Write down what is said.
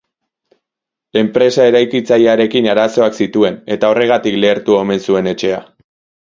Enpresa eraikitzailearekin arazoak zituen, eta horregatik lehertu omen zuen etxea.